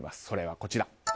それはこちら。